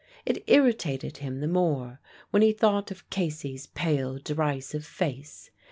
It irritated him the more when he thought of Casey's pale, derisive face.